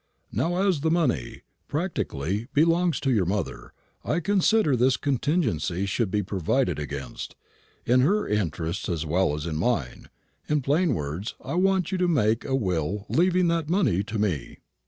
Now as the money, practically, belongs to your mother, I consider that this contingency should be provided against in her interests as well as in mine. In plain words, I want you to make a will leaving that money to me."